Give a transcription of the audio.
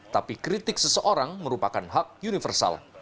tapi kritik seseorang merupakan hak universal